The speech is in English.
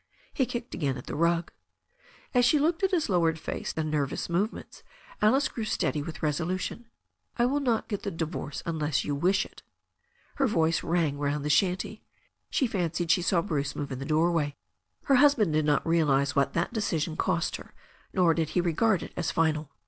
He kicked again at the rug. As she looked at his lowered face and nervous movements, Alice grew steady with resolution. "I will not get the divorce unless you wish it." Her voice rang round the shanty. She fancied she saw Bruce move in the doorway. Her husband did not realize what that decision cost her, nor did he regard it as final.